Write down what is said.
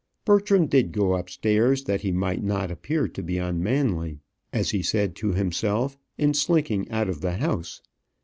Bertram did go upstairs, that he might not appear to be unmanly, as he said to himself, in slinking out of the house.